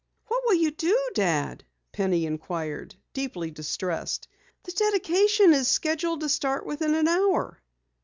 "What will you do, Dad?" Penny inquired, deeply distressed. "The dedication is scheduled to start within an hour."